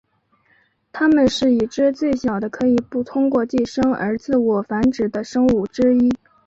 它们是已知最小的可以不通过寄生而自我繁殖的生物之一。